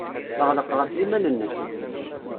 Teɣleq ɣef yiman-nnes.